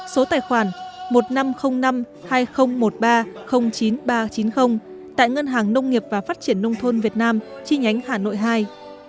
số tài khoản một nghìn năm trăm linh năm hai nghìn một mươi ba chín nghìn ba trăm chín mươi tại ngân hàng nông nghiệp và phát triển nông thôn việt nam chi nhánh hà nội ii